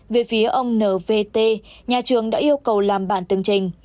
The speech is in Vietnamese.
về phía ông nvt nhà trường đã yêu cầu làm bản từng trình